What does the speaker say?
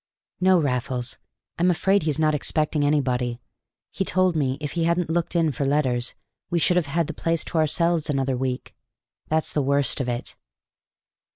"No, Raffles, I'm afraid he's not expecting anybody. He told me, if he hadn't looked in for letters, we should have had the place to ourselves another week. That's the worst of it."